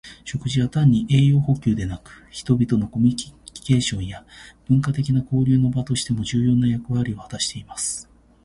食事は単に栄養補給だけでなく、人々のコミュニケーションや文化的な交流の場としても重要な役割を果たします。